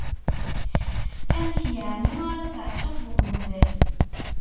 Amek yeɛni ara teɛceq deg uḍebbal!